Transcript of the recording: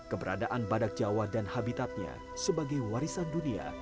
keberadaan badak jawa dan habitatnya sebagai warisan dunia